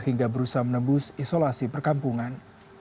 hingga berusaha menembus isolasi perkampungan